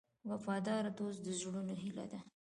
وفادار دوست د زړونو هیله ده.